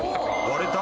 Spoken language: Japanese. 割れた！